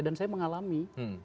dan saya mengalami